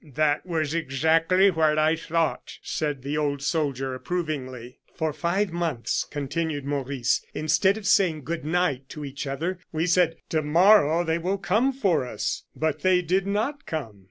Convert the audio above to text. that was exactly what I thought," said the old soldier, approvingly. "For five months," continued Maurice, "instead of saying 'good night' to each other, we said: 'To morrow they will come for us.' But they did not come.